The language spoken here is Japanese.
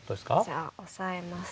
じゃあオサえます。